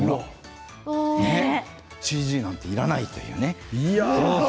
ＣＧなんていらないというね。